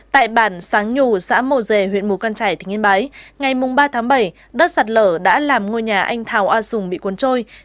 tại bản sáng nhù xã mồ dề huyện mù căn trải thịnh yên bái ngày ba tháng bảy đất sạt lở đã làm ngôi nhà anh thảo a dùng bị cuốn trôi